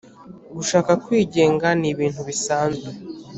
gushaka kwigenga ni ibintu bisanzwe